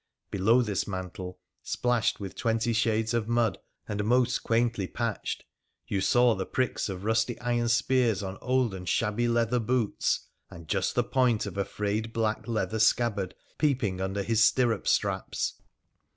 Below this mantle, splashed with twenty shades of mud and most quaintly patched, you saw the pricks of rusty iron spurs on old and shabby leather 246 WONDERFUL ADVENTURES OF boots, and just the point of a frayed black leather scabbard peeping under his stirrup straps.